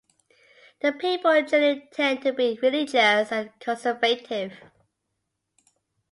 The people generally tend to be religious and conservative.